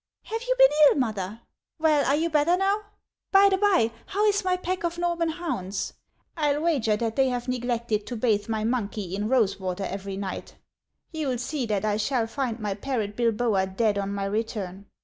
"Have you been ill, mother? Well, are you better now ? By the bye, how is my pack of Norman hounds ? I '11 wager that they have neglected to bathe my monkey in rose water every night. You'll see that I si tall find my parrot Bilboa dead on my return.